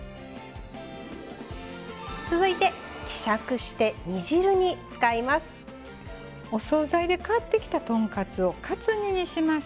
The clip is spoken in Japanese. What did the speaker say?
続いて希釈して煮汁に使います。